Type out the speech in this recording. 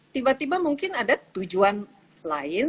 tiba tiba mungkin ada tujuan lain